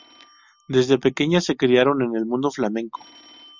Desde pequeñas se criaron en el mundo flamenco.